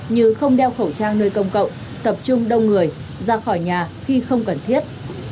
như không đeo khẩu trang nơi công cộng tập trung đông người ra khỏi nhà khi không cần thiết